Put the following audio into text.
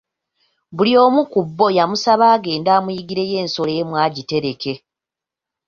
Buli omu ku bo yamusaba agende amuyiggireyo ensolo emu agitereke.